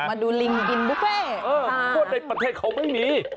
มาดูลิงดินบุฟเฟ่ทั่วในประเทศเขาไม่มี